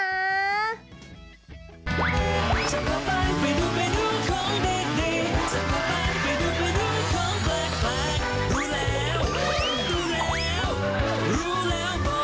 ฮ่าฮ่าฮ่า